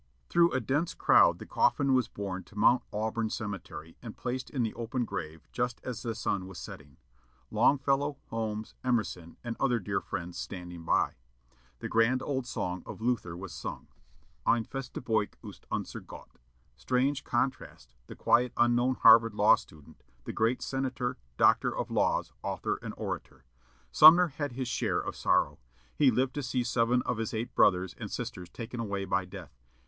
Through a dense crowd the coffin was borne to Mount Auburn cemetery, and placed in the open grave just as the sun was setting, Longfellow, Holmes, Emerson, and other dear friends standing by. The grand old song of Luther was sung, "Ein feste Burg ist unser Gott." Strange contrast! the quiet, unknown Harvard law student; the great senator, doctor of laws, author, and orator. Sumner had his share of sorrow. He lived to see seven of his eight brothers and sisters taken away by death.